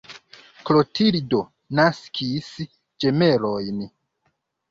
Klotildo naskis ĝemelojn.